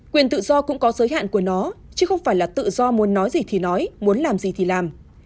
quyền tự do cũng có giới hạn của nó chứ không phải là tự do muốn nói gì thì nói muốn làm gì thì làm